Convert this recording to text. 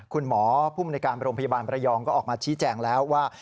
คุณหมอภูมิในการโรงพยาบาลประยองก็ออกมาชี้แจงแล้วว่า